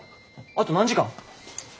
あと何時間？